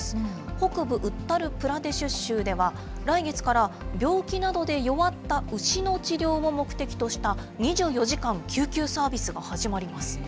北部ウッタル・プラデシュ州では、来月から、病気などで弱った牛の治療を目的とした、２４時間救急サービスが始まります。